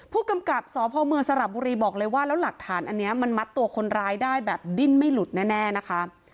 ผู้กำกับสพเมืองสระบุรีบอกเลยว่าแล้วหลักฐานอันนี้มันมัดตัวคนร้ายได้แบบดิ้นไม่หลุดแน่นะคะ